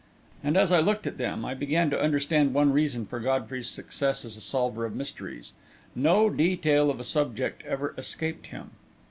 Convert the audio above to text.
And as I looked at them, I began to understand one reason for Godfrey's success as a solver of mysteries no detail of a subject ever escaped him.